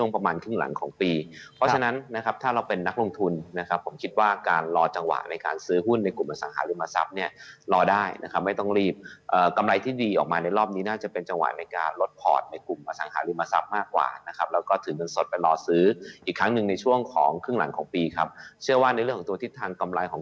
ผมคิดว่าการรอจังหวะในการซื้อหุ้นในกลุ่มอสังหาริมทรัพย์เนี่ยรอได้นะครับไม่ต้องรีบกำไรที่ดีออกมาในรอบนี้น่าจะเป็นจังหวะในการลดพอร์ตในกลุ่มอสังหาริมทรัพย์มากกว่านะครับแล้วก็ถึงเป็นสดไปรอซื้ออีกครั้งหนึ่งในช่วงของครึ่งหลังของปีครับเชื่อว่าในเรื่องของตัวทิศทางกำไรของ